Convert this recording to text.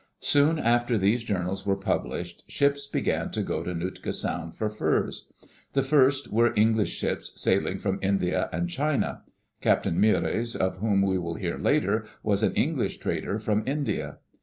Soon after these journals were published, ships began to go to Nootka Sound for furs. The first were English ships sailing from India and China. Captain Meares, of whom we will hear later, was an English trader from India.